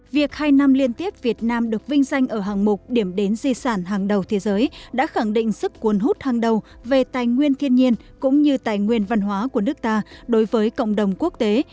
việc hai năm liên tiếp việt nam được vinh danh ở hạng mục điểm đến di sản hàng đầu thế giới đã khẳng định sức cuốn hút hàng đầu về tài nguyên thiên nhiên cũng như tài nguyên văn hóa của nước ta đối với cộng đồng quốc tế